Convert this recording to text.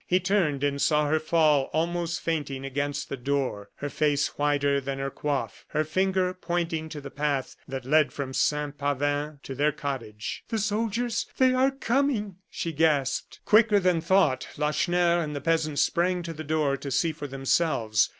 He turned, and saw her fall almost fainting against the door, her face whiter than her coif, her finger pointing to the path that led from Saint Pavin to their cottage. "The soldiers they are coming!" she gasped. Quicker than thought, Lacheneur and the peasant sprang to the door to see for themselves.